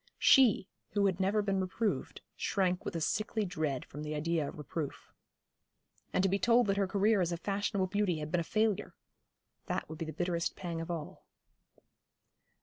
She, who had never been reproved, shrank with a sickly dread from the idea of reproof. And to be told that her career as a fashionable beauty had been a failure! That would be the bitterest pang of all.